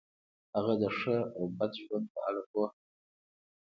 هغه د ښه او بد ژوند په اړه پوهه لري.